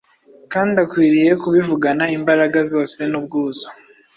kandi akwiriye kubivugana imbaraga zose n’ubwuzu